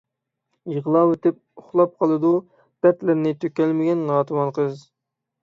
يىغلاۋىتىپ ئۇخلاپ قالىدۇ دەرىتلىرنى تۈكەلمىگەن ناتىۋان قىز